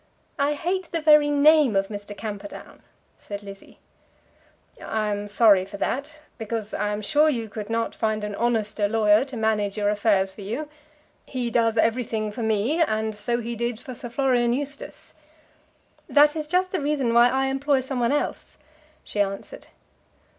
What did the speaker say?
"I hate the very name of Mr. Camperdown," said Lizzie. "I am sorry for that, because I am sure you could not find an honester lawyer to manage your affairs for you. He does everything for me, and so he did for Sir Florian Eustace." "That is just the reason why I employ some one else," she answered.